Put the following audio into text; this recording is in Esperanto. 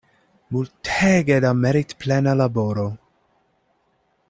Multege da meritplena laboro!